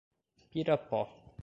Pirapó